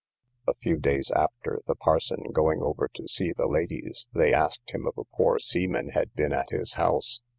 A few days after, the parson going over to see the ladies, they asked him if a poor seaman had been at his house.